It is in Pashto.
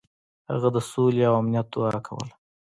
هغه د سولې او امنیت دعا کوله.